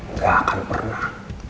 nggak akan pernah